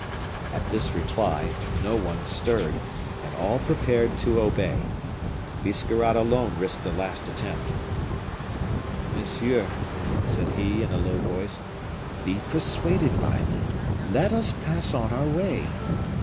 At this reply, no one stirred, and all prepared to obey. Biscarrat alone risked a last attempt. "Monsieur," said he, in a low voice, "be persuaded by me; let us pass on our way.